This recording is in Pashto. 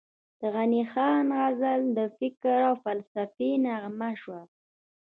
د غني خان غزل د فکر او فلسفې نغمه شوه،